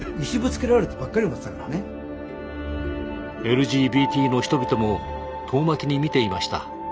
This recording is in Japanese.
ＬＧＢＴの人々も遠巻きに見ていました。